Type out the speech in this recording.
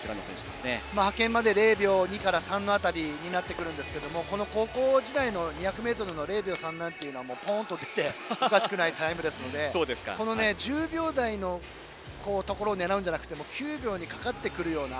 派遣まで０秒２から３の間になってくるんですが、高校時代の２００ｍの０．３はポンと切ってもおかしくないタイムなので１０秒台のところを狙うんじゃなくて９秒にかかってくるような。